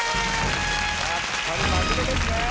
やっぱり真面目ですね。